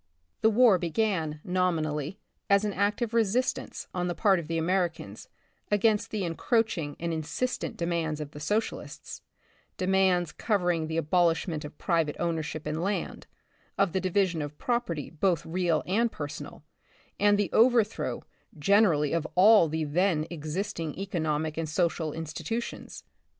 The war began, nominally, as an act of resistance on the part of the Americans against the encroaching and insistent demands of the socialists, de mands covering the abolishment of private ownership in land, of the division of property, both real and personal, and the overthrow, generally of all the then existing economic and social institutions.